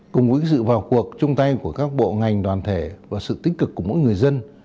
cùng với sự vào cuộc chung tay của các bộ ngành đoàn thể và sự tích cực của mỗi người dân